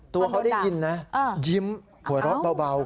ตัวเขาได้ยินนะยิ้มหัวเราะเบา